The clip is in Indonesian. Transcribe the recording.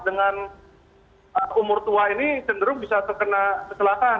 dengan umur tua ini cenderung bisa terkena kesalahan